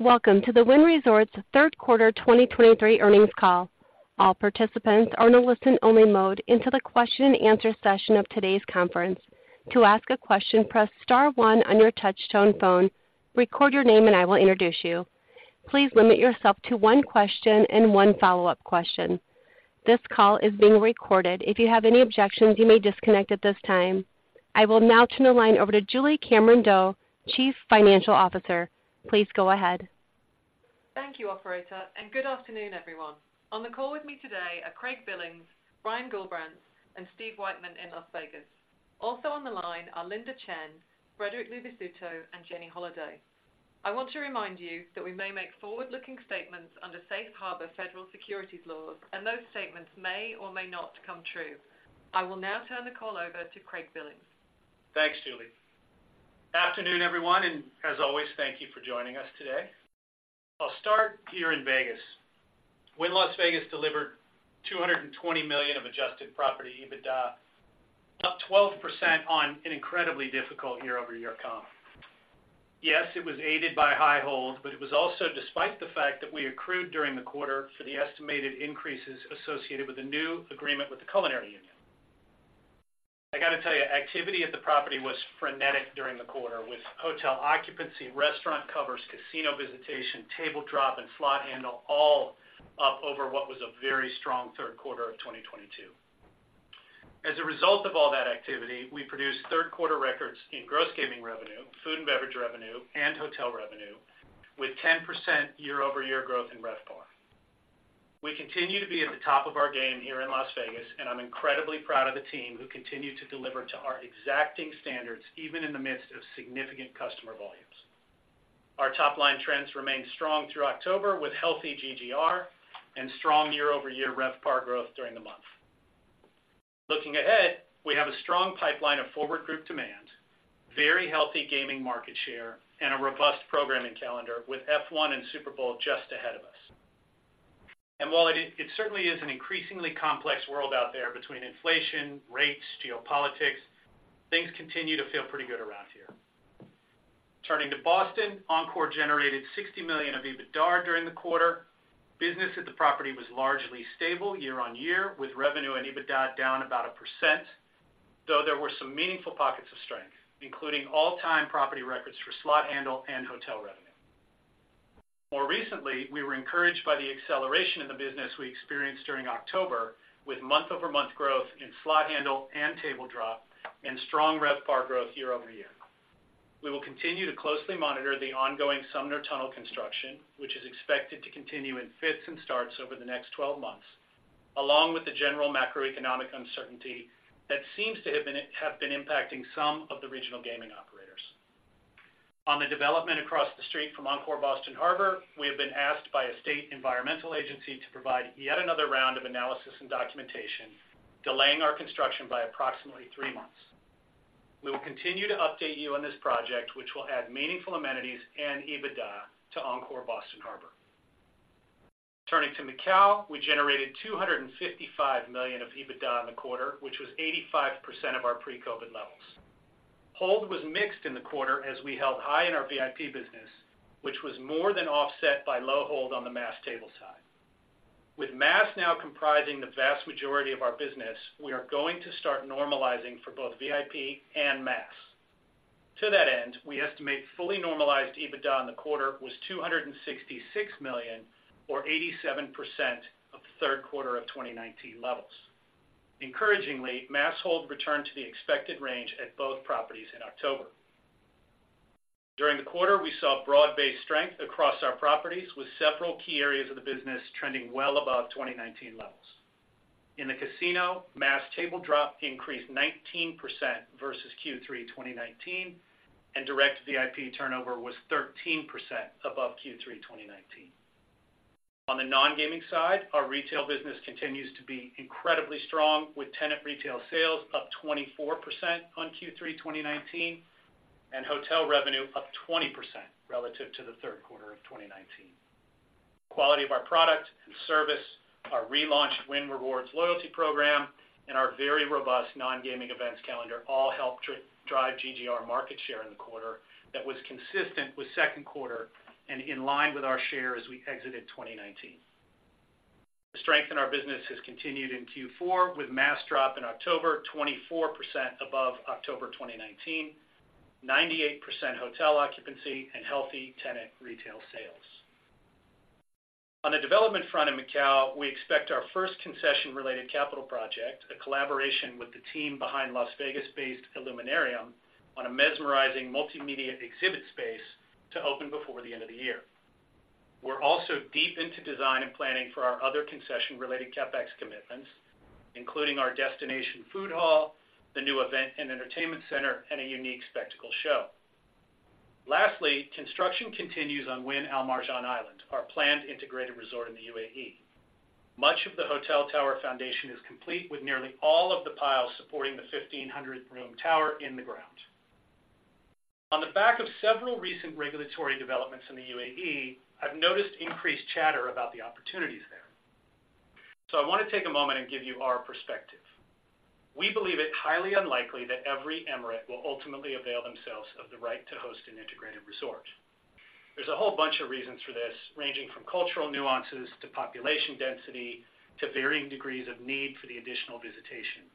Welcome to the Wynn Resorts third quarter 2023 earnings call. All participants are in a listen-only mode until the question and answer session of today's conference. To ask a question, press star one on your touchtone phone, record your name, and I will introduce you. Please limit yourself to one question and one follow-up question. This call is being recorded. If you have any objections, you may disconnect at this time. I will now turn the line over to Julie Cameron-Doe, Chief Financial Officer. Please go ahead. Thank you, operator, and good afternoon, everyone. On the call with me today are Craig Billings, Brian Gullbrants, and Steve Weitman in Las Vegas. Also on the line are Linda Chen, Frederic Luvisutto, and Jenny Holaday. I want to remind you that we may make forward-looking statements under Safe Harbor federal securities laws, and those statements may or may not come true. I will now turn the call over to Craig Billings. Thanks, Julie. Afternoon, everyone, and as always, thank you for joining us today. I'll start here in Vegas. Wynn Las Vegas delivered $220 million of adjusted property EBITDA, up 12% on an incredibly difficult year-over-year comp. Yes, it was aided by high hold, but it was also despite the fact that we accrued during the quarter for the estimated increases associated with the new agreement with the Culinary Union. I got to tell you, activity at the property was frenetic during the quarter, with hotel occupancy, restaurant covers, casino visitation, table drop, and slot handle all up over what was a very strong third quarter of 2022. As a result of all that activity, we produced third quarter records in gross gaming revenue, food and beverage revenue, and hotel revenue, with 10% year-over-year growth in RevPAR. We continue to be at the top of our game here in Las Vegas, and I'm incredibly proud of the team who continue to deliver to our exacting standards, even in the midst of significant customer volumes. Our top-line trends remained strong through October, with healthy GGR and strong year-over-year RevPAR growth during the month. Looking ahead, we have a strong pipeline of forward group demand, very healthy gaming market share, and a robust programming calendar with F1 and Super Bowl just ahead of us. And while it certainly is an increasingly complex world out there between inflation, rates, geopolitics, things continue to feel pretty good around here. Turning to Boston, Encore generated $60 million of EBITDA during the quarter. Business at the property was largely stable year-over-year, with revenue and EBITDA down about 1%, though there were some meaningful pockets of strength, including all-time property records for slot handle and hotel revenue. More recently, we were encouraged by the acceleration in the business we experienced during October, with month-over-month growth in slot handle and table drop and strong RevPAR growth year-over-year. We will continue to closely monitor the ongoing Sumner Tunnel construction, which is expected to continue in fits and starts over the next 12 months, along with the general macroeconomic uncertainty that seems to have been impacting some of the regional gaming operators. On the development across the street from Encore Boston Harbor, we have been asked by a state environmental agency to provide yet another round of analysis and documentation, delaying our construction by approximately three months. We will continue to update you on this project, which will add meaningful amenities and EBITDA to Encore Boston Harbor. Turning to Macau, we generated $255 million of EBITDA in the quarter, which was 85% of our pre-COVID levels. Hold was mixed in the quarter as we held high in our VIP business, which was more than offset by low hold on the mass table side. With mass now comprising the vast majority of our business, we are going to start normalizing for both VIP and mass. To that end, we estimate fully normalized EBITDA in the quarter was $266 million or 87% of the third quarter of 2019 levels. Encouragingly, mass hold returned to the expected range at both properties in October. During the quarter, we saw broad-based strength across our properties, with several key areas of the business trending well above 2019 levels. In the casino, mass table drop increased 19% versus Q3 2019, and direct VIP turnover was 13% above Q3 2019. On the non-gaming side, our retail business continues to be incredibly strong, with tenant retail sales up 24% on Q3 2019 and hotel revenue up 20% relative to the third quarter of 2019. Quality of our product and service, our relaunched Wynn Rewards loyalty program, and our very robust non-gaming events calendar all helped to drive GGR market share in the quarter that was consistent with second quarter and in line with our share as we exited 2019. The strength in our business has continued in Q4, with mass drop in October 24% above October 2019, 98% hotel occupancy and healthy tenant retail sales. On the development front in Macau, we expect our first concession-related capital project, a collaboration with the team behind Las Vegas-based Illuminarium, on a mesmerizing multimedia exhibit space to open before the end of the year. We're also deep into design and planning for our other concession-related CapEx commitments, including our destination food hall, the new event and entertainment center, and a unique spectacle show. Lastly, construction continues on Wynn Al Marjan Island, our planned integrated resort in the UAE. Much of the hotel tower foundation is complete, with nearly all of the piles supporting the 1,500-room tower in the ground. On the back of several recent regulatory developments in the UAE, I've noticed increased chatter about the opportunities there. I want to take a moment and give you our perspective. We believe it highly unlikely that every emirate will ultimately avail themselves of the right to host an integrated resort. There's a whole bunch of reasons for this, ranging from cultural nuances, to population density, to varying degrees of need for the additional visitation.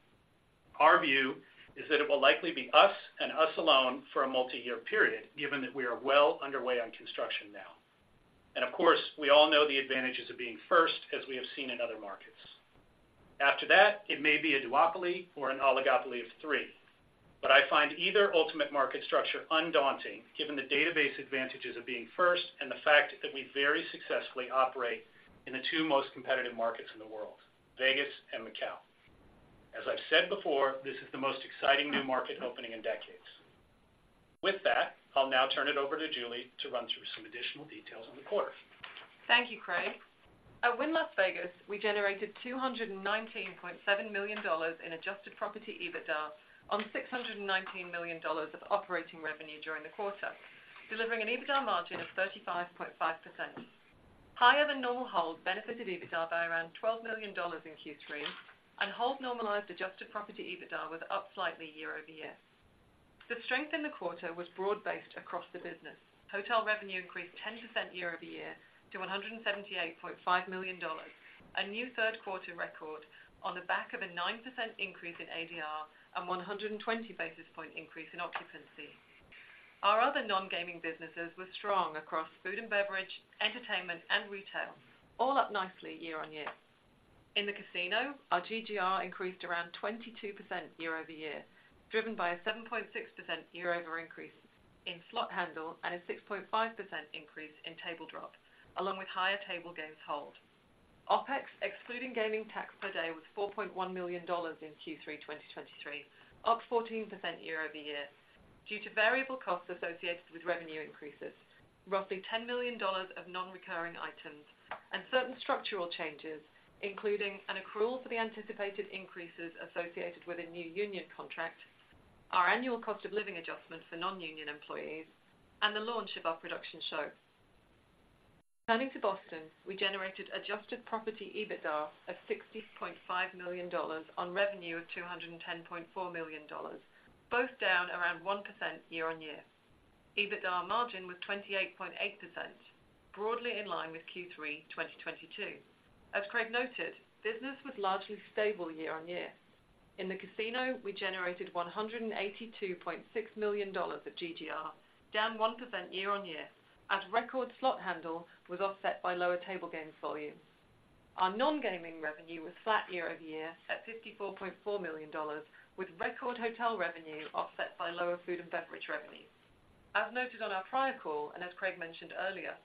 Our view is that it will likely be us, and us alone, for a multiyear period, given that we are well underway on construction now. Of course, we all know the advantages of being first, as we have seen in other markets. After that, it may be a duopoly or an oligopoly of three, but I find either ultimate market structure undaunted, given the database advantages of being first and the fact that we very successfully operate in the two most competitive markets in the world, Vegas and Macau. As I've said before, this is the most exciting new market opening in decades. With that, I'll now turn it over to Julie to run through some additional details on the quarter. Thank you, Craig. At Wynn Las Vegas, we generated $219.7 million in adjusted property EBITDA on $619 million of operating revenue during the quarter, delivering an EBITDA margin of 35.5%. Higher than normal hold benefited EBITDA by around $12 million in Q3, and hold normalized adjusted property EBITDA was up slightly year-over-year. The strength in the quarter was broad-based across the business. Hotel revenue increased 10% year-over-year to $178.5 million, a new third quarter record on the back of a 9% increase in ADR and 120 basis point increase in occupancy. Our other non-gaming businesses were strong across food and beverage, entertainment, and retail, all up nicely year-over-year. In the casino, our GGR increased around 22% year-over-year, driven by a 7.6% year-over-year increase in slot handle and a 6.5% increase in table drop, along with higher table games hold. OpEx, excluding gaming tax per day, was $4.1 million in Q3 2023, up 14% year-over-year, due to variable costs associated with revenue increases, roughly $10 million of non-recurring items, and certain structural changes, including an accrual for the anticipated increases associated with a new union contract, our annual cost of living adjustment for non-union employees, and the launch of our production show. Turning to Boston, we generated adjusted property EBITDA of $60.5 million on revenue of $210.4 million, both down around 1% year-over-year. EBITDA margin was 28.8%, broadly in line with Q3 2022. As Craig noted, business was largely stable year-over-year. In the casino, we generated $182.6 million of GGR, down 1% year-over-year, as record slot handle was offset by lower table games volumes. Our non-gaming revenue was flat year-over-year at $54.4 million, with record hotel revenue offset by lower food and beverage revenue. As noted on our prior call, and as Craig mentioned earlier,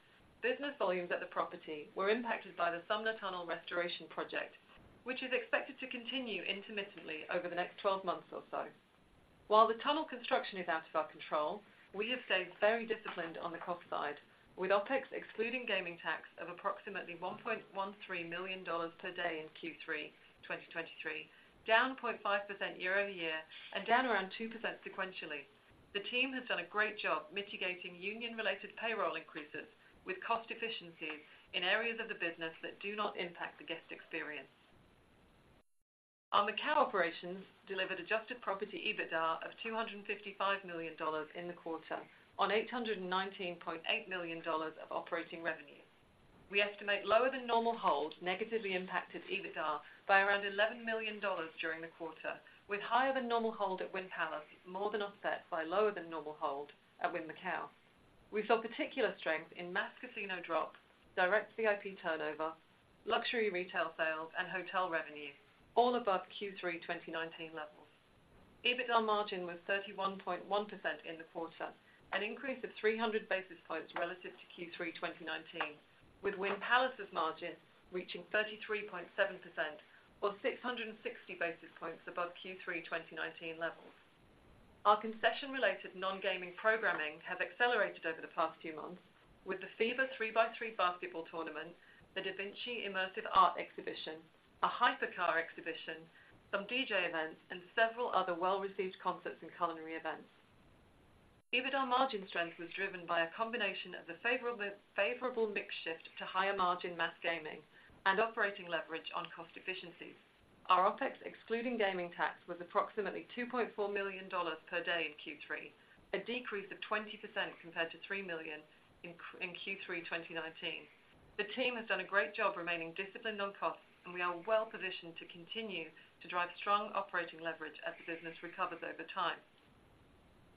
business volumes at the property were impacted by the Sumner Tunnel restoration project, which is expected to continue intermittently over the next twelve months or so. While the tunnel construction is out of our control, we have stayed very disciplined on the cost side, with OpEx excluding gaming tax of approximately $1.13 million per day in Q3 2023, down 0.5% year-over-year and down around 2% sequentially. The team has done a great job mitigating union-related payroll increases with cost efficiencies in areas of the business that do not impact the guest experience. Our Macau operations delivered adjusted property EBITDA of $255 million in the quarter, on $819.8 million of operating revenue. We estimate lower than normal hold negatively impacted EBITDA by around $11 million during the quarter, with higher than normal hold at Wynn Palace more than offset by lower than normal hold at Wynn Macau. We saw particular strength in mass casino drops, direct VIP turnover, luxury retail sales, and hotel revenue, all above Q3 2019 levels. EBITDA margin was 31.1% in the quarter, an increase of 300 basis points relative to Q3 2019, with Wynn Palace's margin reaching 33.7%, or 660 basis points above Q3 2019 levels. Our concession-related non-gaming programming has accelerated over the past few months, with the FIBA 3x3 basketball tournament, The Da Vinci Immersive Art Exhibition, a hypercar exhibition, some DJ events, and several other well-received concerts and culinary events. EBITDA margin strength was driven by a combination of the favorable mix shift to higher-margin mass gaming and operating leverage on cost efficiencies. Our OpEx, excluding gaming tax, was approximately $2.4 million per day in Q3, a decrease of 20% compared to $3 million in Q3 2019. The team has done a great job remaining disciplined on costs, and we are well positioned to continue to drive strong operating leverage as the business recovers over time.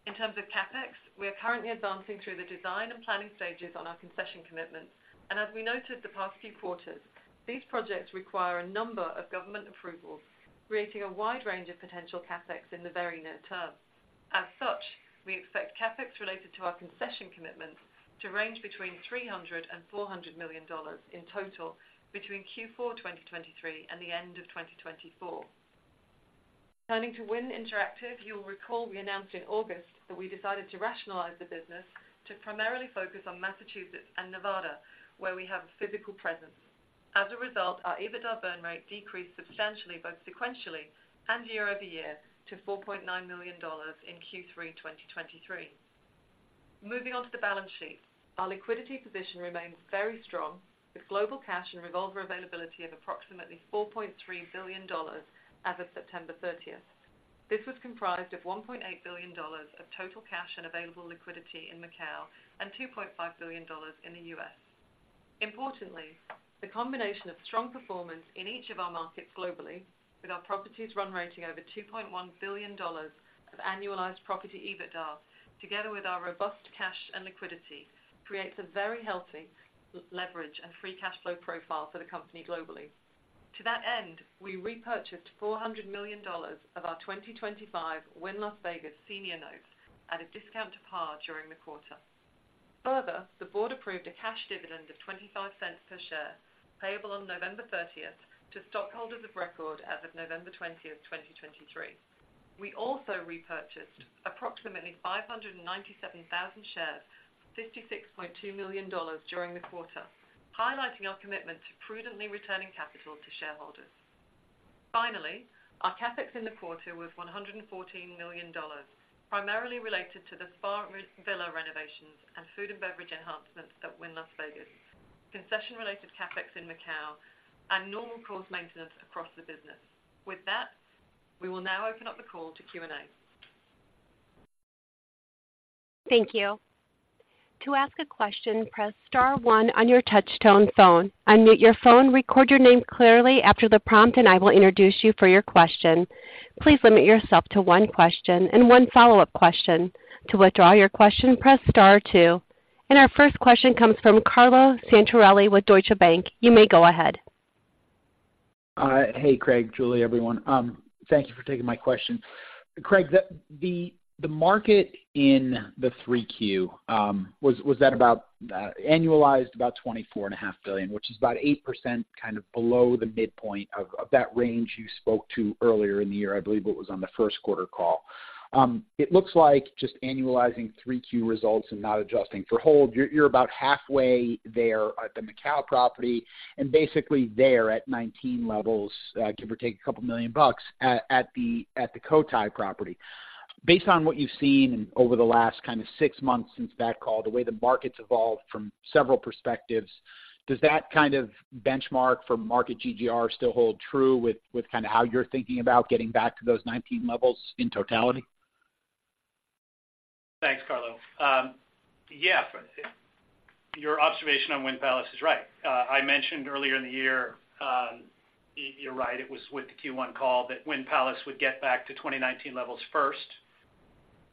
In terms of CapEx, we are currently advancing through the design and planning stages on our concession commitments, and as we noted the past few quarters, these projects require a number of government approvals, creating a wide range of potential CapEx in the very near term. As such, we expect CapEx related to our concession commitments to range between $300 million-$400 million in total between Q4 2023 and the end of 2024. Turning to Wynn Interactive, you'll recall we announced in August that we decided to rationalize the business to primarily focus on Massachusetts and Nevada, where we have a physical presence. As a result, our EBITDA burn rate decreased substantially, both sequentially and year-over-year, to $4.9 million in Q3 2023. Moving on to the balance sheet. Our liquidity position remains very strong, with global cash and revolver availability of approximately $4.3 billion as of September 30th. This was comprised of $1.8 billion of total cash and available liquidity in Macau, and $2.5 billion in the U.S. Importantly, the combination of strong performance in each of our markets globally, with our properties run rating over $2.1 billion of annualized property EBITDA, together with our robust cash and liquidity, creates a very healthy leverage and free cash flow profile for the company globally. To that end, we repurchased $400 million of our 2025 Wynn Las Vegas senior notes at a discount to par during the quarter. Further, the board approved a cash dividend of $0.25 per share, payable on November 30th to stockholders of record as of November 20th, 2023. We also repurchased approximately 597,000 shares, $56.2 million during the quarter, highlighting our commitment to prudently returning capital to shareholders. Finally, our CapEx in the quarter was $114 million, primarily related to the Spa Villa renovations and food and beverage enhancements at Wynn Las Vegas, concession-related CapEx in Macau, and normal course maintenance across the business. With that, we will now open up the call to Q&A. Thank you. To ask a question, press star one on your touchtone phone, unmute your phone, record your name clearly after the prompt, and I will introduce you for your question. Please limit yourself to one question and one follow-up question. To withdraw your question, press star two. Our first question comes from Carlo Santarelli with Deutsche Bank. You may go ahead. Hey, Craig, Julie, everyone. Thank you for taking my question. Craig, the market in the 3Q was that about annualized about $24.5 billion, which is about 8%, kind of below the midpoint of that range you spoke to earlier in the year. I believe it was on the first quarter call. It looks like just annualizing 3Q results and not adjusting for hold, you're about halfway there at the Macau property and basically there at $19 levels, give or take a couple million bucks at the Cotai property. Based on what you've seen over the last kind of six months since that call, the way the market's evolved from several perspectives, does that kind of benchmark for market GGR still hold true with, with kind of how you're thinking about getting back to those 19 levels in totality? Thanks, Carlo. Yeah, your observation on Wynn Palace is right. I mentioned earlier in the year, you're right, it was with the Q1 call, that Wynn Palace would get back to 2019 levels first.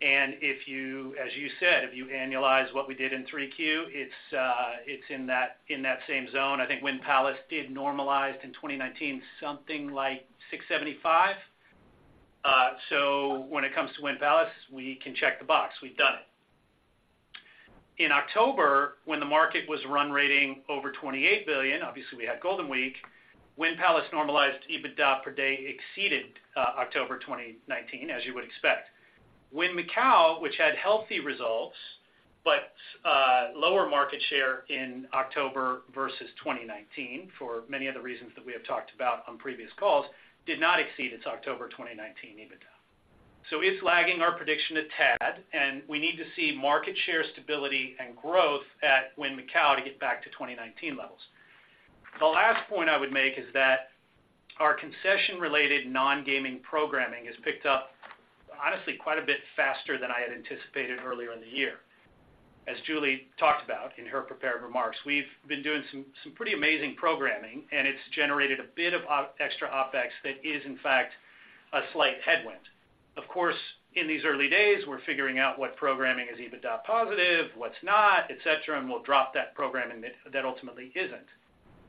And if you, as you said, if you annualize what we did in 3Q, it's, it's in that, in that same zone. I think Wynn Palace did normalize in 2019, something like 675. So when it comes to Wynn Palace, we can check the box. We've done it. In October, when the market was run rate over $28 billion, obviously, we had Golden Week, Wynn Palace normalized EBITDA per day exceeded October 2019, as you would expect. Wynn Macau, which had healthy results, but lower market share in October versus 2019, for many of the reasons that we have talked about on previous calls, did not exceed its October 2019 EBITDA. So it's lagging our prediction a tad, and we need to see market share stability and growth at Wynn Macau to get back to 2019 levels. The last point I would make is that our concession-related non-gaming programming has picked up, honestly, quite a bit faster than I had anticipated earlier in the year. As Julie talked about in her prepared remarks, we've been doing some pretty amazing programming, and it's generated a bit of extra OpEx that is, in fact, a slight headwind. Of course, in these early days, we're figuring out what programming is EBITDA positive, what's not, etc, and we'll drop that programming that ultimately isn't.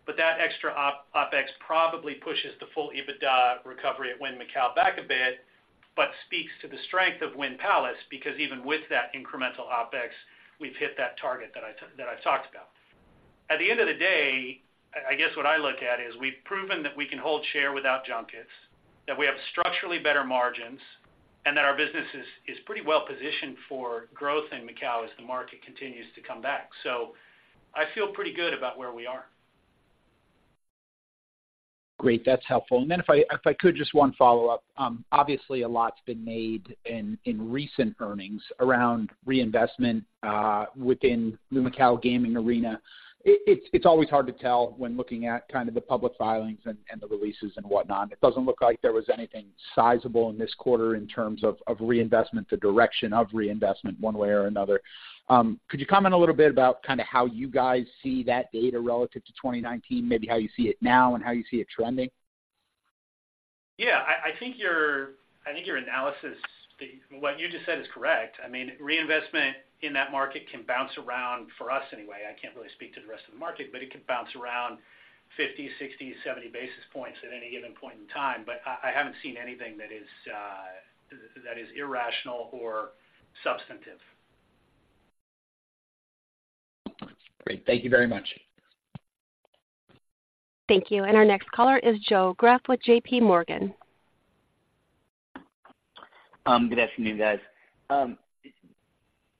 But that extra OpEx probably pushes the full EBITDA recovery at Wynn Macau back a bit, but speaks to the strength of Wynn Palace, because even with that incremental OpEx, we've hit that target that I talked about. At the end of the day, I guess what I look at is we've proven that we can hold share without junkets, that we have structurally better margins, and that our business is pretty well positioned for growth in Macau as the market continues to come back. So I feel pretty good about where we are. Great. That's helpful. And then if I, if I could, just one follow-up. Obviously, a lot's been made in recent earnings around reinvestment within the Macau gaming arena. It's always hard to tell when looking at kind of the public filings and the releases and whatnot. It doesn't look like there was anything sizable in this quarter in terms of reinvestment, the direction of reinvestment one way or another. Could you comment a little bit about kind of how you guys see that data relative to 2019, maybe how you see it now and how you see it trending? Yeah, I think your analysis, what you just said is correct. I mean, reinvestment in that market can bounce around, for us anyway, I can't really speak to the rest of the market, but it could bounce around 50, 60, 70 basis points at any given point in time. But I haven't seen anything that is irrational or substantive. Great. Thank you very much. Thank you. Our next caller is Joe Greff with J.P. Morgan. Good afternoon, guys.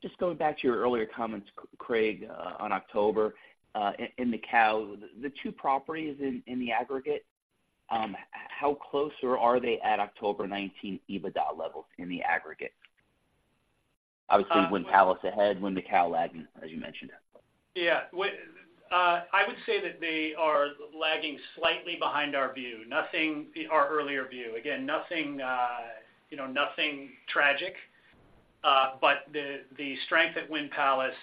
Just going back to your earlier comments, Craig, on October in Macau, the two properties in the aggregate. How close or are they at October 2019 EBITDA levels in the aggregate? Obviously, Wynn Palace ahead, Wynn Macau lagging, as you mentioned. Yeah. Well, I would say that they are lagging slightly behind our view. Nothing, our earlier view. Again, nothing, you know, nothing tragic. But the strength at Wynn Palace,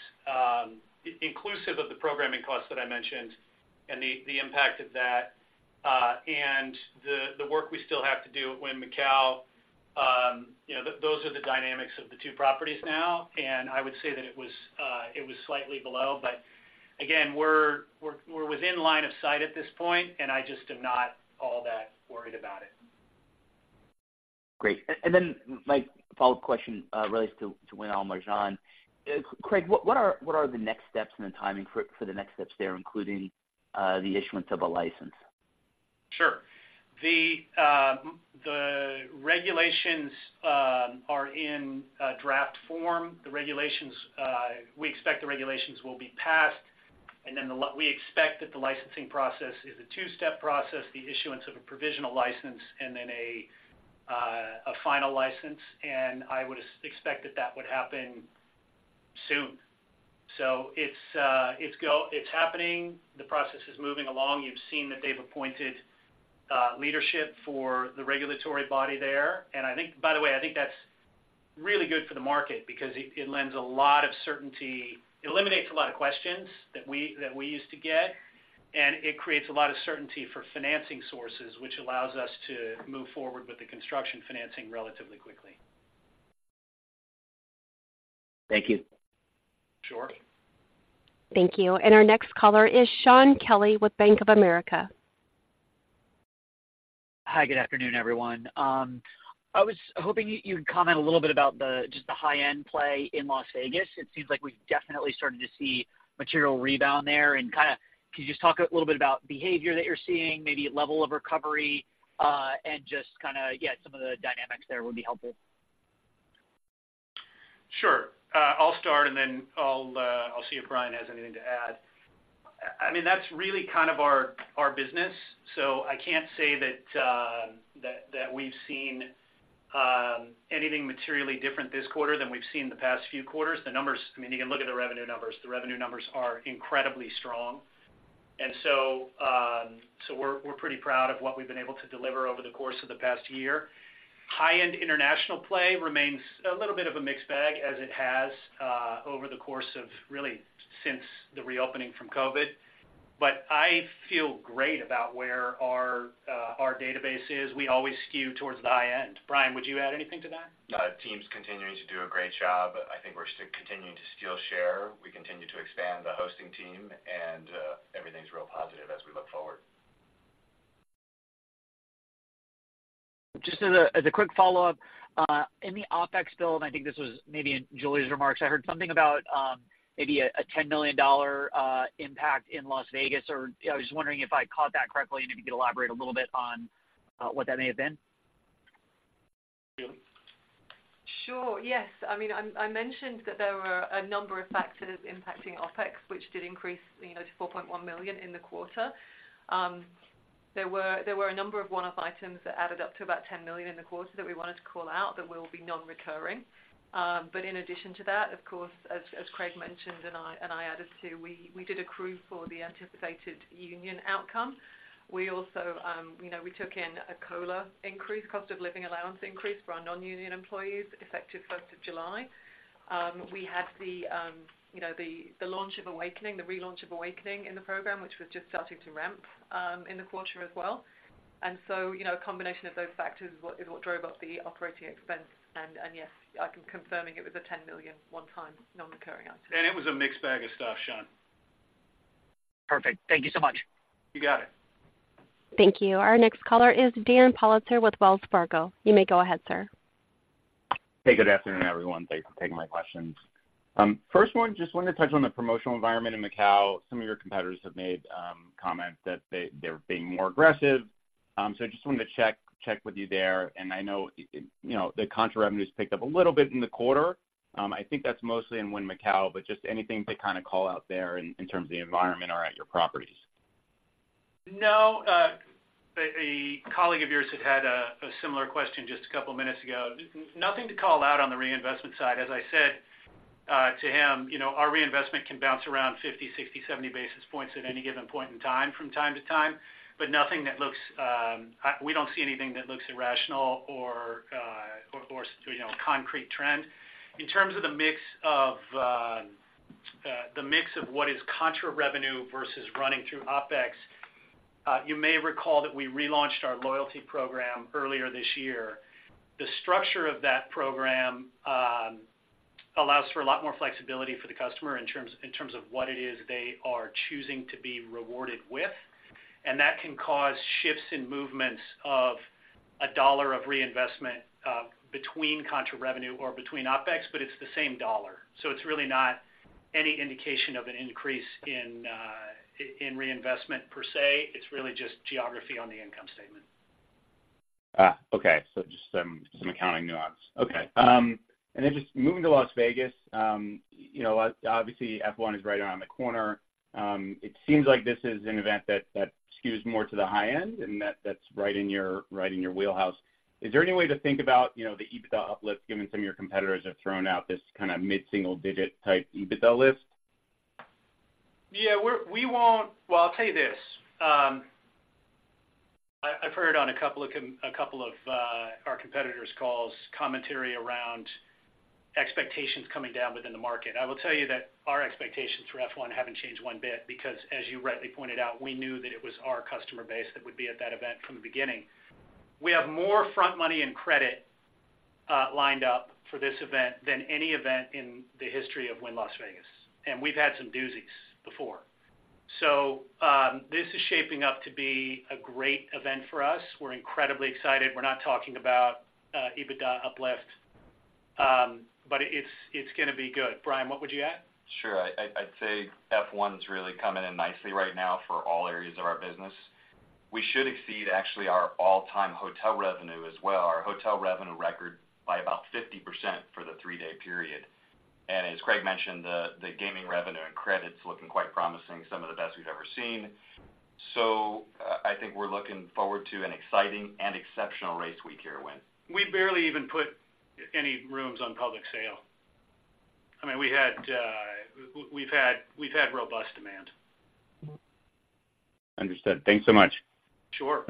inclusive of the programming costs that I mentioned and the impact of that, and the work we still have to do at Wynn Macau, you know, those are the dynamics of the two properties now, and I would say that it was slightly below. But again, we're within line of sight at this point, and I just am not all that worried about it. Great. And then my follow-up question relates to Wynn Al Marjan. Craig, what are the next steps and the timing for the next steps there, including the issuance of a license? Sure. The regulations are in draft form. The regulations, we expect the regulations will be passed, and then we expect that the licensing process is a two-step process, the issuance of a provisional license and then a final license, and I would expect that that would happen soon. So it's happening. The process is moving along. You've seen that they've appointed leadership for the regulatory body there. And I think, by the way, I think that's really good for the market because it lends a lot of certainty. It eliminates a lot of questions that we used to get, and it creates a lot of certainty for financing sources, which allows us to move forward with the construction financing relatively quickly. Thank you. Sure. Thank you. Our next caller is Shaun Kelley with Bank of America. Hi, good afternoon, everyone. I was hoping you, you'd comment a little bit about the, just the high-end play in Las Vegas. It seems like we've definitely started to see material rebound there, and kind of, could you just talk a little bit about behavior that you're seeing, maybe level of recovery, and just kind of, yeah, some of the dynamics there would be helpful. Sure. I'll start, and then I'll, I'll see if Brian has anything to add. I mean, that's really kind of our, our business, so I can't say that that we've seen anything materially different this quarter than we've seen in the past few quarters. The numbers, I mean, you can look at the revenue numbers. The revenue numbers are incredibly strong. And so, so we're, we're pretty proud of what we've been able to deliver over the course of the past year. High-end international play remains a little bit of a mixed bag, as it has over the course of really since the reopening from COVID. But I feel great about where our, our database is. We always skew towards the high end. Brian, would you add anything to that? Team's continuing to do a great job. I think we're continuing to steal share. We continue to expand the hosting team, and everything's real positive as we look forward. Just as a quick follow-up, in the OpEx build, and I think this was maybe in Julie's remarks, I heard something about maybe a $10 million impact in Las Vegas. I was just wondering if I caught that correctly and if you could elaborate a little bit on what that may have been. Julie? Sure. Yes. I mean, I mentioned that there were a number of factors impacting OpEx, which did increase, you know, to $4.1 million in the quarter. There were a number of one-off items that added up to about $10 million in the quarter that we wanted to call out that will be non-recurring. But in addition to that, of course, as Craig mentioned, and I added, too, we did accrue for the anticipated union outcome. We also, you know, we took in a COLA increase, cost of living allowance increase, for our non-union employees, effective first of July. We had the, you know, the launch of Awakening, the relaunch of Awakening in the program, which was just starting to ramp in the quarter as well. And so, you know, a combination of those factors is what drove up the operating expense. And yes, I'm confirming it was a $10 million one-time non-recurring item. It was a mixed bag of stuff, Shaun. Perfect. Thank you so much. You got it. Thank you. Our next caller is Dan Politzer with Wells Fargo. You may go ahead, sir. Hey, good afternoon, everyone. Thanks for taking my questions. First one, just wanted to touch on the promotional environment in Macau. Some of your competitors have made comments that they're being more aggressive. So I just wanted to check with you there. And I know, you know, the contra revenue's picked up a little bit in the quarter. I think that's mostly in Wynn Macau, but just anything to kind of call out there in terms of the environment or at your properties? No, a colleague of yours had a similar question just a couple of minutes ago. Nothing to call out on the reinvestment side. As I said, to him, you know, our reinvestment can bounce around 50, 60, 70 basis points at any given point in time, from time to time, but nothing that looks-- We don't see anything that looks irrational or, or, you know, a concrete trend. In terms of the mix of, the mix of what is contra revenue versus running through OpEx, you may recall that we relaunched our loyalty program earlier this year. The structure of that program allows for a lot more flexibility for the customer in terms, in terms of what it is they are choosing to be rewarded with, and that can cause shifts in movements of a dollar of reinvestment between contra revenue or between OpEx, but it's the same dollar. So it's really not any indication of an increase in reinvestment per se. It's really just geography on the income statement. Ah, okay, so just some accounting nuance. Okay. Then, moving to Las Vegas, you know, obviously, F1 is right around the corner. It seems like this is an event that skews more to the high end and that's right in your wheelhouse. Is there any way to think about, you know, the EBITDA uplift, given some of your competitors have thrown out this kind of mid-single digit type EBITDA lift? Well, I'll tell you this, I've heard on a couple of our competitors' calls, commentary around expectations coming down within the market. I will tell you that our expectations for F1 haven't changed one bit, because, as you rightly pointed out, we knew that it was our customer base that would be at that event from the beginning. We have more front money and credit lined up for this event than any event in the history of Wynn Las Vegas, and we've had some doozies before. So, this is shaping up to be a great event for us. We're incredibly excited. We're not talking about EBITDA uplift, but it's gonna be good. Brian, what would you add? Sure. I'd say F1's really coming in nicely right now for all areas of our business. We should exceed actually our all-time hotel revenue as well, our hotel revenue record, by about 50% for the three-day period. And as Craig mentioned, the gaming revenue and credits looking quite promising, some of the best we've ever seen. So I think we're looking forward to an exciting and exceptional race week here at Wynn. We barely even put any rooms on public sale. I mean, we've had robust demand. Understood. Thanks so much. Sure.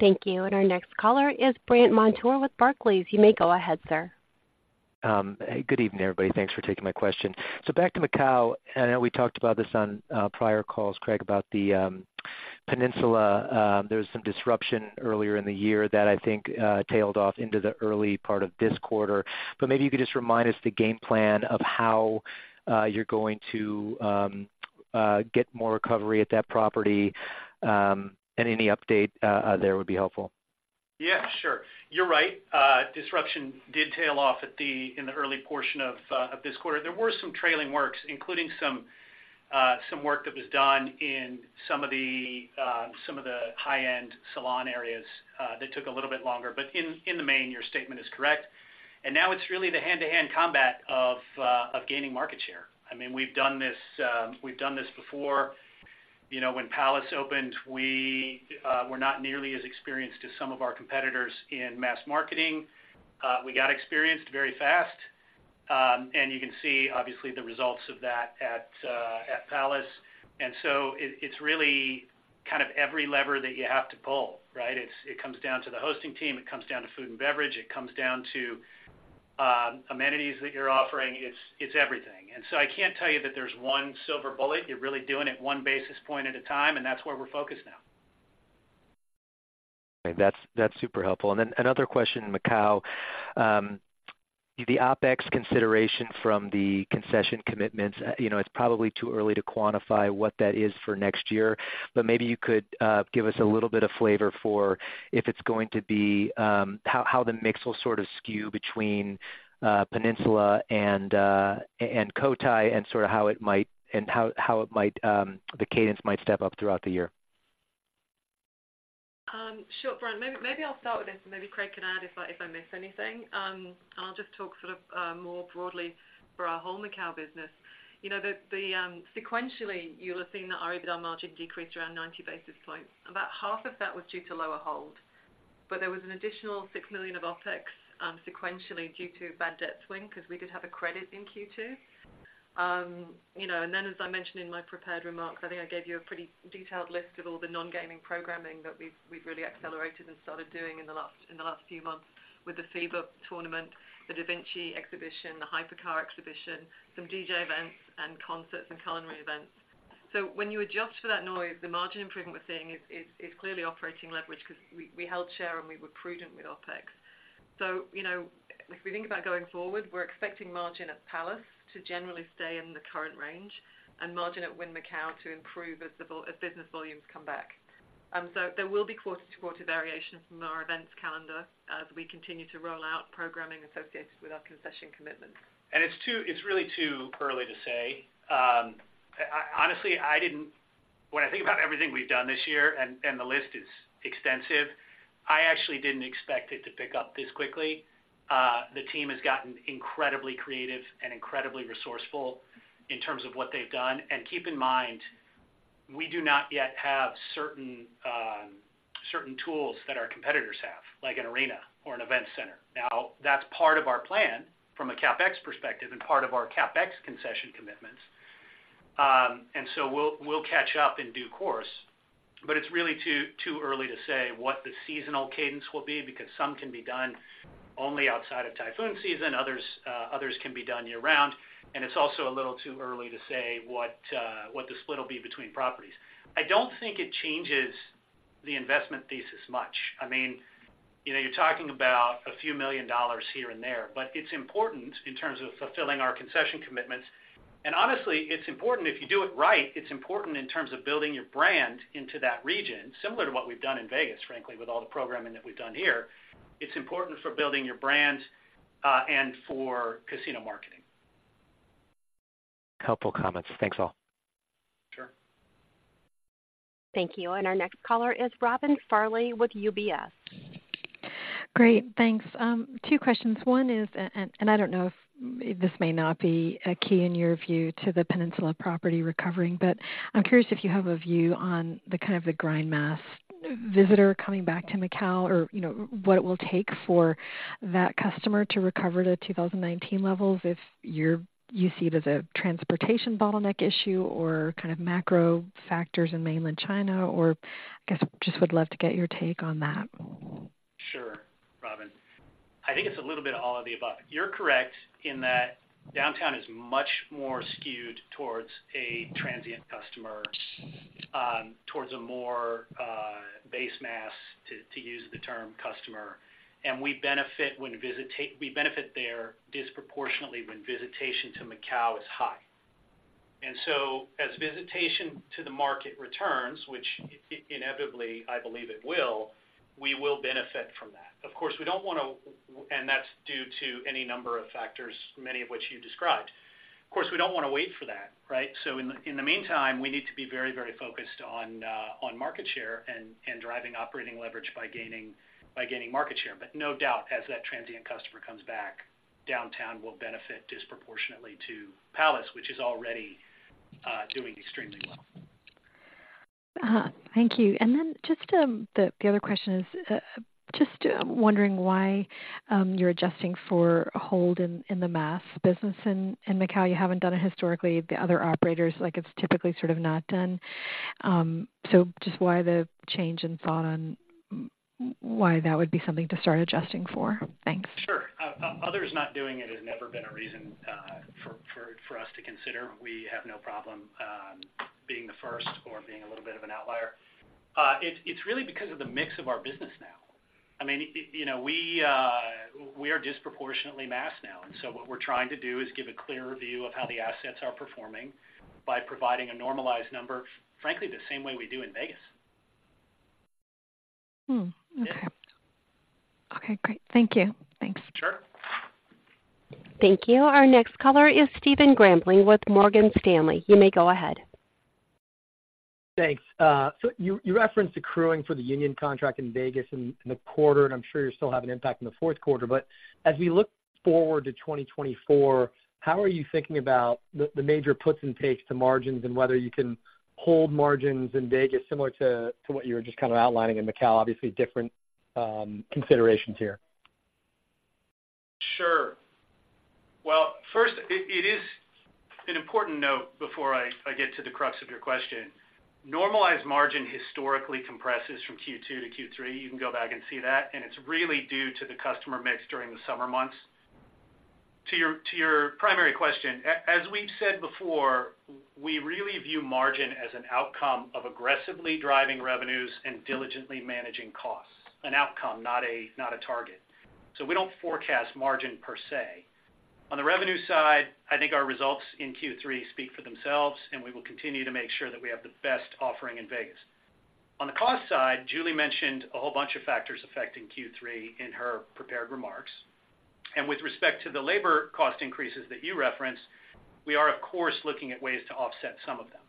Thank you. Our next caller is Brandt Montour with Barclays. You may go ahead, sir. Hey, good evening, everybody. Thanks for taking my question. So back to Macau, I know we talked about this on prior calls, Craig, about the Peninsula. There was some disruption earlier in the year that I think tailed off into the early part of this quarter. But maybe you could just remind us the game plan of how you're going to get more recovery at that property, and any update there would be helpful. Yeah, sure. You're right, disruption did tail off in the early portion of this quarter. There were some trailing works, including some work that was done in some of the high-end salon areas that took a little bit longer. But in the main, your statement is correct. And now it's really the hand-to-hand combat of gaining market share. I mean, we've done this, we've done this before. You know, when Palace opened, we were not nearly as experienced as some of our competitors in mass marketing. We got experienced very fast, and you can see, obviously, the results of that at Palace. And so it, it's really kind of every lever that you have to pull, right? It's, it comes down to the hosting team, it comes down to food and beverage, it comes down to amenities that you're offering. It's, it's everything. And so I can't tell you that there's one silver bullet. You're really doing it one basis point at a time, and that's where we're focused now. Okay, that's, that's super helpful. And then another question, Macau. The OpEx consideration from the concession commitments, you know, it's probably too early to quantify what that is for next year, but maybe you could give us a little bit of flavor for if it's going to be how the mix will sort of skew between Peninsula and Cotai, and sort of how it might—and how the cadence might step up throughout the year. Sure, Brandt. Maybe I'll start with this, and maybe Craig can add if I miss anything. And I'll just talk sort of more broadly for our whole Macau business. You know, the sequentially, you'll have seen that our EBITDA margin decreased around 90 basis points. About half of that was due to lower hold, but there was an additional $6 million of OpEx sequentially, due to bad debt swing, because we did have a credit in Q2. You know, and then as I mentioned in my prepared remarks, I think I gave you a pretty detailed list of all the non-gaming programming that we've really accelerated and started doing in the last few months with the FIBA tournament, The Da Vinci exhibition, the Hypercar exhibition, some DJ events and concerts, and culinary events. So when you adjust for that noise, the margin improvement we're seeing is clearly operating leverage because we held share and we were prudent with OpEx. So, you know, if we think about going forward, we're expecting margin at Palace to generally stay in the current range and margin at Wynn Macau to improve as business volumes come back. So there will be quarter-to-quarter variation from our events calendar as we continue to roll out programming associated with our concession commitments. It's really too early to say. I honestly didn't when I think about everything we've done this year, and the list is extensive, I actually didn't expect it to pick up this quickly. The team has gotten incredibly creative and incredibly resourceful in terms of what they've done. And keep in mind, we do not yet have certain tools that our competitors have, like an arena or an event center. Now, that's part of our plan from a CapEx perspective and part of our CapEx concession commitments. And so we'll catch up in due course, but it's really too early to say what the seasonal cadence will be, because some can be done only outside of typhoon season, others can be done year-round. It's also a little too early to say what the split will be between properties. I don't think it changes the investment thesis much. I mean, you know, you're talking about a few million dollars here and there, but it's important in terms of fulfilling our concession commitments. And honestly, it's important, if you do it right, it's important in terms of building your brand into that region, similar to what we've done in Vegas, frankly, with all the programming that we've done here. It's important for building your brand, and for casino marketing. Helpful comments. Thanks all. Sure. Thank you. Our next caller is Robin Farley with UBS. Great, thanks. Two questions. One is, and I don't know if this may not be a key in your view to the Peninsula property recovering, but I'm curious if you have a view on the kind of the grind mass visitor coming back to Macau, or, you know, what it will take for that customer to recover to 2019 levels, if you see it as a transportation bottleneck issue or kind of macro factors in mainland China, or I guess, just would love to get your take on that? Sure, Robin. I think it's a little bit of all of the above. You're correct in that downtown is much more skewed towards a transient customer, towards a more base mass, to use the term, customer. And we benefit when we benefit there disproportionately when visitation to Macau is high. And so as visitation to the market returns, which inevitably, I believe it will, we will benefit from that. Of course, we don't want to and that's due to any number of factors, many of which you described. Of course, we don't want to wait for that, right? So in the meantime, we need to be very, very focused on market share and driving operating leverage by gaining market share. But no doubt, as that transient customer comes back, downtown will benefit disproportionately to Palace, which is already doing extremely well. Thank you. And then just the other question is just wondering why you're adjusting for a hold in the mass business in Macau. You haven't done it historically. The other operators, like, it's typically sort of not done. So just why the change in thought on why that would be something to start adjusting for? Thanks. Sure. Others not doing it has never been a reason for us to consider. We have no problem being the first or being a little bit of an outlier. It's really because of the mix of our business now. I mean, you know, we are disproportionately mass now, and so what we're trying to do is give a clearer view of how the assets are performing by providing a normalized number, frankly, the same way we do in Vegas. Okay. Yeah. Okay, great. Thank you. Thanks. Sure. Thank you. Our next caller is Stephen Grambling with Morgan Stanley. You may go ahead. Thanks. So you referenced accruing for the union contract in Vegas in the quarter, and I'm sure you still have an impact in the fourth quarter. But as we look forward to 2024, how are you thinking about the major puts and takes to margins and whether you can hold margins in Vegas similar to what you were just kind of outlining in Macau? Obviously, different considerations here. Sure. Well, first, it is an important note before I get to the crux of your question. Normalized margin historically compresses from Q2-Q3. You can go back and see that, and it's really due to the customer mix during the summer months. To your primary question, as we've said before, we really view margin as an outcome of aggressively driving revenues and diligently managing costs, an outcome, not a target. So we don't forecast margin per se. On the revenue side, I think our results in Q3 speak for themselves, and we will continue to make sure that we have the best offering in Vegas. On the cost side, Julie mentioned a whole bunch of factors affecting Q3 in her prepared remarks. And with respect to the labor cost increases that you referenced, we are, of course, looking at ways to offset some of them.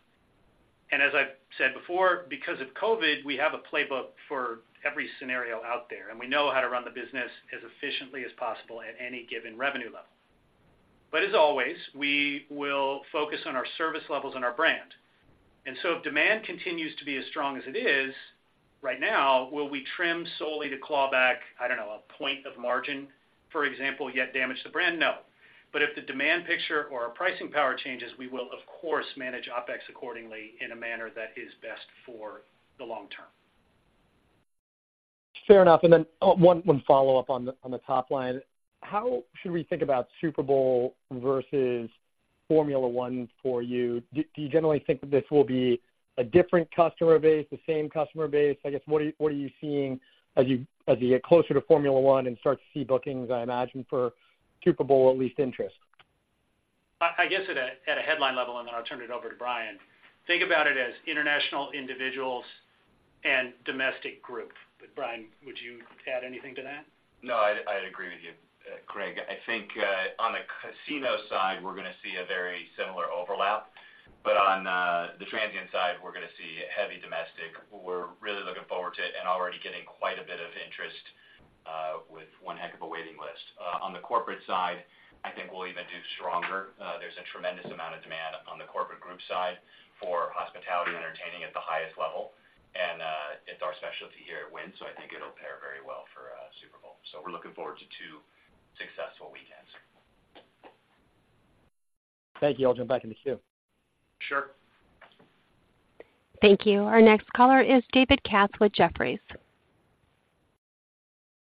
And as I've said before, because of COVID, we have a playbook for every scenario out there, and we know how to run the business as efficiently as possible at any given revenue level. But as always, we will focus on our service levels and our brand. And so if demand continues to be as strong as it is right now, will we trim solely to claw back, I don't know, a point of margin, for example, yet damage the brand? No. But if the demand picture or our pricing power changes, we will of course, manage OpEx accordingly in a manner that is best for the long term. Fair enough. And then, one follow-up on the top line. How should we think about Super Bowl versus Formula 1 for you? Do you generally think that this will be a different customer base, the same customer base? I guess, what are you seeing as you get closer to Formula 1 and start to see bookings, I imagine, for Super Bowl, or at least interest? I guess at a headline level, and then I'll turn it over to Brian. Think about it as international individuals and domestic group. But Brian, would you add anything to that? No, I'd, I'd agree with you, Craig. I think, on the casino side, we're going to see a very similar overlap. But on, the transient side, we're going to see heavy domestic. We're really looking forward to it and already getting quite a bit of interest, with one heck of a waiting list. On the corporate side, I think we'll even do stronger. There's a tremendous amount of demand on the corporate group side for hospitality and entertaining at the highest level, and, it's our specialty here at Wynn, so I think it'll pair very well for, Super Bowl. So we're looking forward to two successful weekends. Thank you. I'll jump back in the queue. Sure. Thank you. Our next caller is David Katz with Jefferies.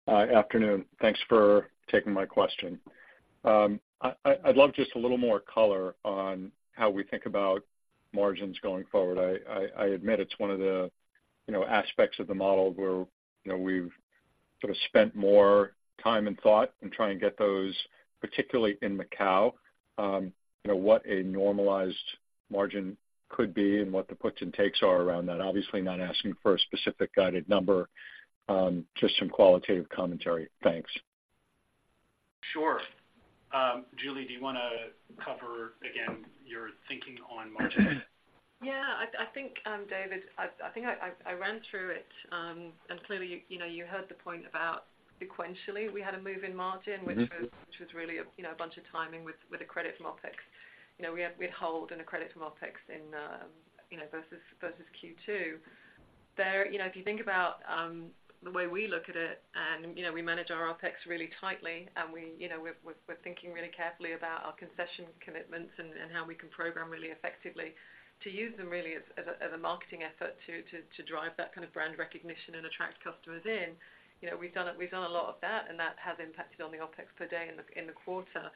Afternoon. Thanks for taking my question. I'd love just a little more color on how we think about margins going forward. I admit it's one of the, you know, aspects of the model where, you know, we've sort of spent more time and thought in trying to get those, particularly in Macau, you know, what a normalized margin could be and what the puts and takes are around that. Obviously, not asking for a specific guided number, just some qualitative commentary. Thanks. Sure. Julie, do you want to cover again your thinking on margin? Yeah, I think, David, I think I ran through it. Clearly, you know, you heard the point about sequentially, we had a move in margin. Which was really a, you know, a bunch of timing with a credit from OpEx. You know, we had hold and a credit from OpEx in, you know, versus Q2. There, you know, if you think about the way we look at it, and, you know, we manage our OpEx really tightly, and we, you know, we're thinking really carefully about our concession commitments and how we can program really effectively to use them really as a marketing effort to drive that kind of brand recognition and attract customers in. You know, we've done a lot of that, and that has impacted on the OpEx per day in the quarter.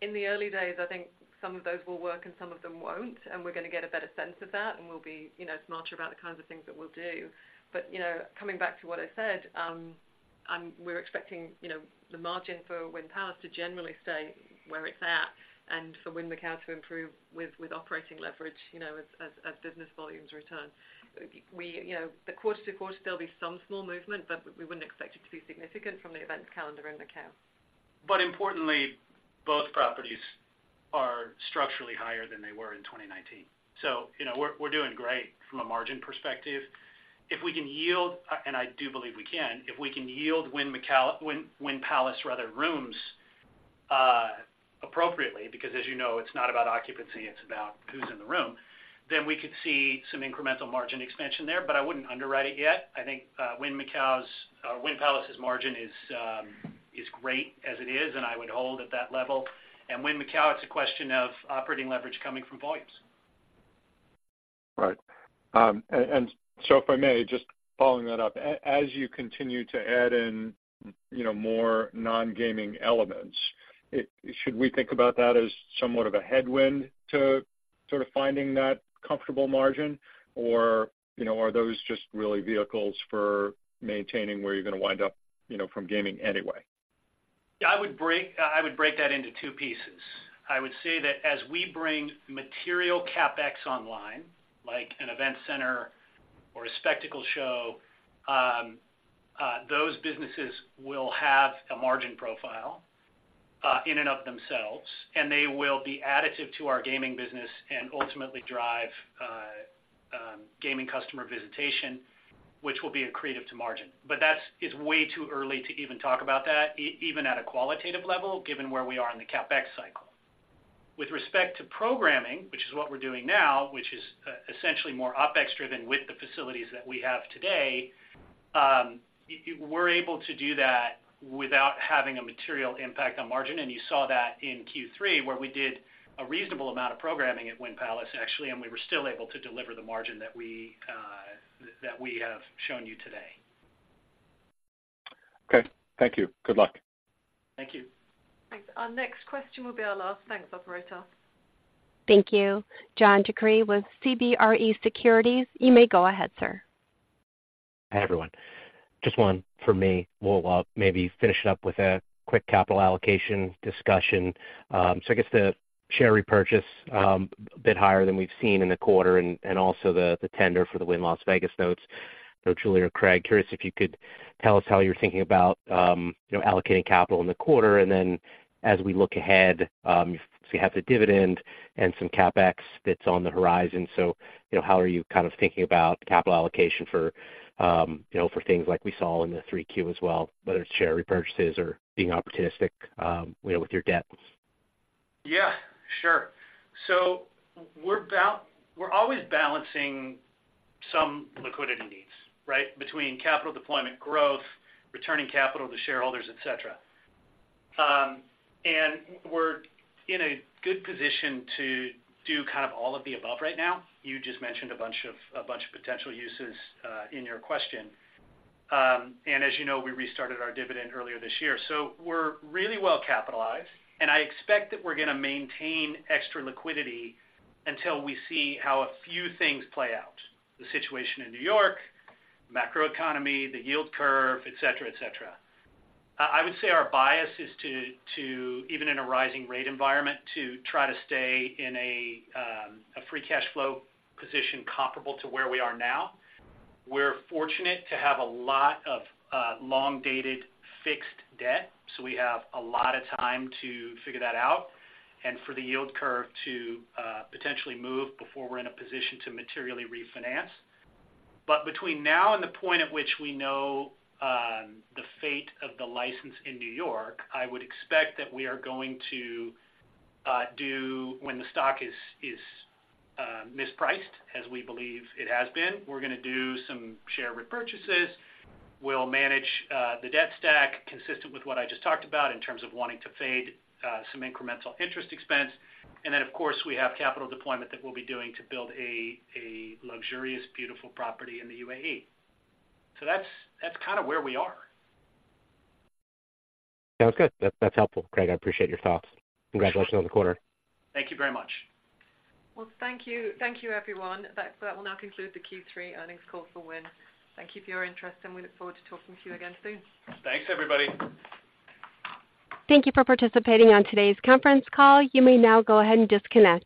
In the early days, I think some of those will work and some of them won't, and we're going to get a better sense of that, and we'll be, you know, smarter about the kinds of things that we'll do. But, you know, coming back to what I said, we're expecting, you know, the margin for Wynn Palace to generally stay where it's at and for Wynn Macau to improve with operating leverage, you know, as business volumes return. You know, quarter-to-quarter, there'll be some small movement, but we wouldn't expect it to be significant from the events calendar in Macau. But importantly, both properties are structurally higher than they were in 2019. So, you know, we're doing great from a margin perspective. If we can yield, and I do believe we can, if we can yield Wynn Palace, rather, appropriately, because as you know, it's not about occupancy, it's about who's in the room, then we could see some incremental margin expansion there, but I wouldn't underwrite it yet. I think, Wynn Palace's margin is great as it is, and I would hold at that level. And Wynn Macau, it's a question of operating leverage coming from volumes. Right. So if I may, just following that up. As you continue to add in, you know, more non-gaming elements, it should we think about that as somewhat of a headwind to sort of finding that comfortable margin? Or, you know, are those just really vehicles for maintaining where you're going to wind up, you know, from gaming anyway? Yeah, I would break that into two pieces. I would say that as we bring material CapEx online, like an event center or a spectacle show, those businesses will have a margin profile in and of themselves, and they will be additive to our gaming business and ultimately drive gaming customer visitation, which will be accretive to margin. But that's, it's way too early to even talk about that, even at a qualitative level, given where we are in the CapEx cycle. With respect to programming, which is what we're doing now, which is essentially more OpEx driven with the facilities that we have today, we're able to do that without having a material impact on margin, and you saw that in Q3, where we did a reasonable amount of programming at Wynn Palace, actually, and we were still able to deliver the margin that we have shown you today. Okay. Thank you. Good luck. Thank you. Thanks. Our next question will be our last. Thanks, operator. Thank you. John DeCree with CBRE Securities. You may go ahead, sir. Hi, everyone. Just one for me. We'll maybe finish it up with a quick capital allocation discussion. So I guess the share repurchase a bit higher than we've seen in the quarter and, and also the tender for the Wynn Las Vegas notes. So Julie or Craig, curious if you could tell us how you're thinking about you know, allocating capital in the quarter, and then as we look ahead, so you have the dividend and some CapEx that's on the horizon. So, you know, how are you kind of thinking about capital allocation for you know, for things like we saw in the 3Q as well, whether it's share repurchases or being opportunistic you know, with your debt? Yeah, sure. So we're always balancing some liquidity needs, right? Between capital deployment growth, returning capital to shareholders, etc. And we're in a good position to do kind of all of the above right now. You just mentioned a bunch of, a bunch of potential uses, in your question. And as you know, we restarted our dividend earlier this year. So we're really well capitalized, and I expect that we're going to maintain extra liquidity until we see how a few things play out: the situation in New York, macroeconomy, the yield curve, etc, etc. I would say our bias is to even in a rising rate environment, to try to stay in a a free cash flow position comparable to where we are now. We're fortunate to have a lot of long-dated fixed debt, so we have a lot of time to figure that out and for the yield curve to potentially move before we're in a position to materially refinance. But between now and the point at which we know the fate of the license in New York, I would expect that we are going to do -- when the stock is mispriced, as we believe it has been, we're going to do some share repurchases. We'll manage the debt stack consistent with what I just talked about in terms of wanting to fade some incremental interest expense. And then, of course, we have capital deployment that we'll be doing to build a luxurious, beautiful property in the UAE. So that's kind of where we are. Sounds good. That, that's helpful, Craig. I appreciate your thoughts. Congratulations on the quarter. Thank you very much. Well, thank you. Thank you, everyone. So that will now conclude the Q3 earnings call for Wynn. Thank you for your interest, and we look forward to talking to you again soon. Thanks, everybody. Thank you for participating on today's conference call. You may now go ahead and disconnect.